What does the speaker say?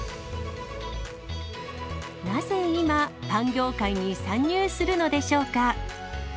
なぜ今、パン業界に参入するのでしょうか。